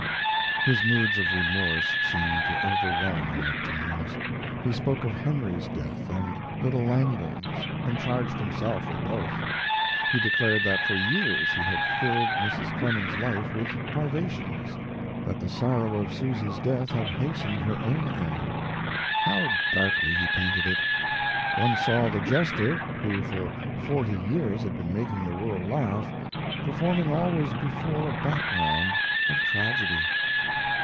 His moods of remorse seemed to overwhelm him at times. He spoke of Henry's death and little Langdon's, and charged himself with both. He declared that for years he had filled Mrs. Clemens's life with privations, that the sorrow of Susy's death had hastened her own end. How darkly he painted it! One saw the jester, who for forty years had been making the world laugh, performing always before a background of tragedy.